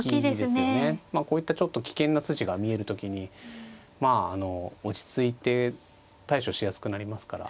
こういったちょっと危険な筋が見える時にまああの落ち着いて対処しやすくなりますから。